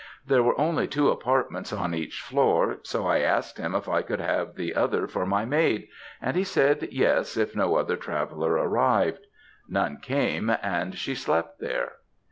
There were only two apartments on each floor; so I asked him if I could have the other for my maid, and he said yes, if no other traveller arrived. None came, and she slept there.